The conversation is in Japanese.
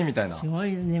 すごいよね。